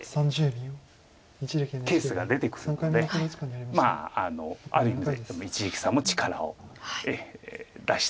ケースが出てくるのである意味で一力さんも力を出して。